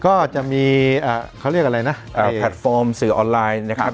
ก็จะมีแพลตฟอร์มสื่อออนไลน์นะครับ